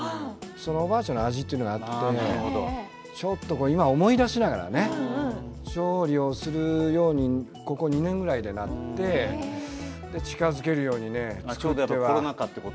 そのおばあちゃんの味というのがあって今思い出しながらね調理をするようにここ２年ぐらいでなって近づけるように。